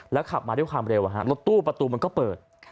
ขับมาด้วยความเร็วรถตู้ประตูมันก็เปิด